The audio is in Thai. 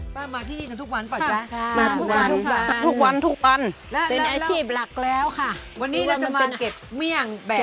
ป้ามาที่นี่กันทุกวันป่ะจ๊ะ